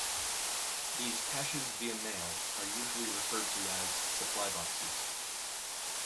These caches-via-mail are usually referred to as "supply boxes".